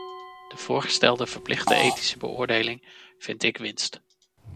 De voorgestelde verplichte ethische beoordeling vind ik winst.